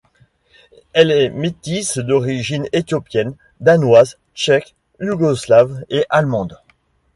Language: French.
Elle est métisse d'origine éthiopienne, danoise, tchèque, yougoslave et allemande.